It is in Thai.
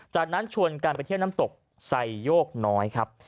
จากนั้นชวนกันไปเที่ยวน้ำตกไซโยกน้อยครับ